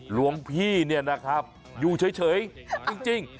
หลวงพี่เนี่ยนะครับอยู่เฉยจริง